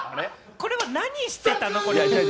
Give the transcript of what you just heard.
これは何してたの？